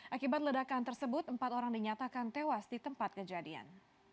akibat ledakan tersebut empat orang dinyatakan tewas di tempat kejadian